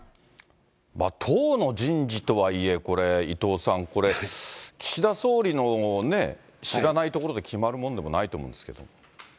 党の人事とはいえ、これ伊藤さん、これ、岸田総理のね、知らないところで決まるものでもないと思うんですけど。